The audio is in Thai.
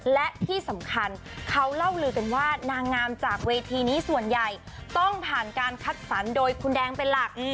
และที่สำคัญเขาเล่าลือกันว่านางงามจากเวทีนี้ส่วนใหญ่ต้องผ่านการคัดสรรโดยคุณแดงเป็นหลัก